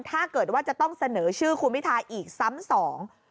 ถ้าเกิดว่าจะต้องเสนอชื่อคุณวิทาอีกสั้น๒